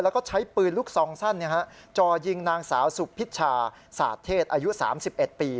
แล้วก็ใช้ปืนลูกซองสั้นจ่อยิงนางสาวสุพิชาสาดเทศอายุ๓๑ปี